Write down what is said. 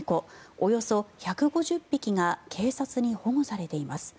およそ１５０匹が警察に保護されています。